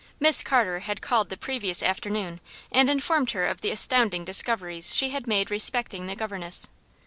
Miss Carter had called the previous afternoon and informed her of the astounding discoveries she had made respecting the governess.